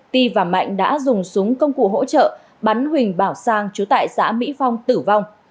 ti và mạnh đã dùng súng công cụ hỗ trợ bắn huỳnh bảo sang chú tại xã mỹ phong tử vong